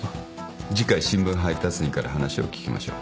次回新聞配達員から話を聞きましょう。